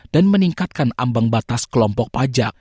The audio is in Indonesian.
dan meningkatkan ambang batas kelompok pajak